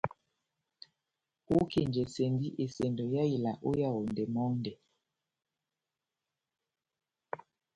Ókenjɛsɛndi esɛndo yá ila ó Yaondɛ mɔndɛ.